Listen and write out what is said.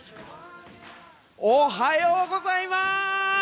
おはようございます。